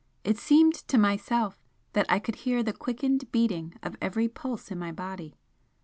It seemed to myself that I could hear the quickened beating of every pulse in my body.